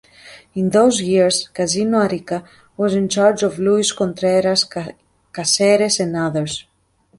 In those years, Casino Arica was in charge of Luis Contreras Cáceres and others.